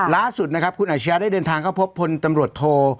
ล่าสุดนะครับคุณอาชญาได้เดินทางเข้าพบพลตำรวจโท